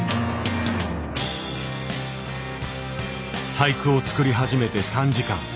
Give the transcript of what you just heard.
俳句を作り始めて３時間。